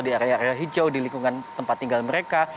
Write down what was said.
di jauh di lingkungan tempat tinggal mereka